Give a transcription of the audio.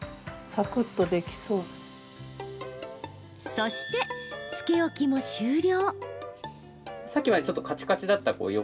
そして、つけ置きも終了。